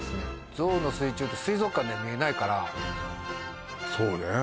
ゾウの水中って水族館では見れないからそうね